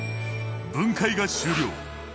分解が終了。